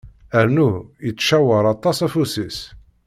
Rnu, yettcawar aṭas afus-is.